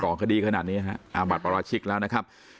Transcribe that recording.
กรอกคดีขนาดนี้นะครับบัตรปราชิกแล้วนะครับ